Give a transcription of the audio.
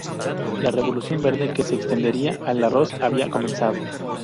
La Revolución Verde, que se extendería al arroz, había comenzado.